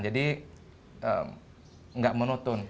jadi nggak menutun